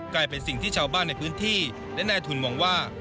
กลายเป็นสิ่งที่ชาวบ้านในพื้นที่และนายทุนมองว่า